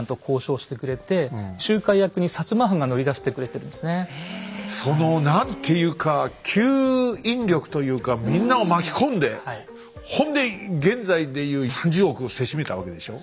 今回の件ではそのその何ていうか吸引力というかみんなを巻き込んでほんで現在で言う３０億をせしめたわけでしょ？